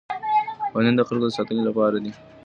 قوانین د خلګو د ساتنې لپاره دي.